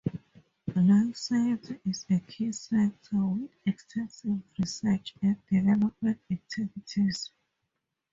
Life science is a key sector with extensive research and development activities.